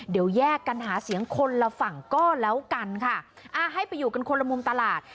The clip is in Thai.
เดี๋ยวแยกกันหาเสียงคนละฝั่งก็แล้วกันค่ะอ่าให้ไปอยู่กันคนละมุมตลาด